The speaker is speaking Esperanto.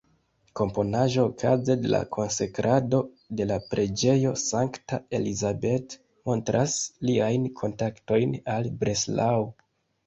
Komponaĵo okaze de la konsekrado de la preĝejo St.-Elisabeth montras liajn kontaktojn al Breslau.